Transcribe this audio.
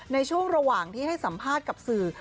ในช่วงระหว่างที่ให้สัมภาษณ์กับสื่อ